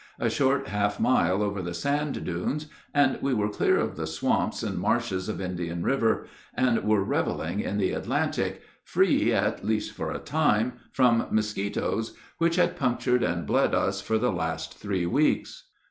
A short half mile over the sand dunes, and we were clear of the swamps and marshes of Indian River, and were reveling in the Atlantic, free, at least for a time, from mosquitos, which had punctured and bled us for the last three weeks.